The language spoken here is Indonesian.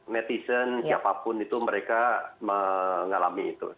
netizen siapapun itu mereka mengalami itu